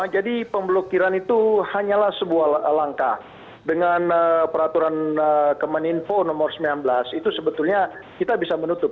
jadi pemblokiran itu hanyalah sebuah langkah dengan peraturan kemeninfo nomor sembilan belas itu sebetulnya kita bisa menutup